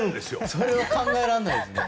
それは考えられないですね。